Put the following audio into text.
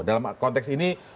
dalam konteks ini